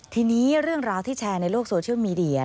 ทีนี้เรื่องราวที่แชร์ในโลกโซเชียลมีเดีย